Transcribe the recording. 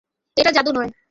এটা জাদু নয়।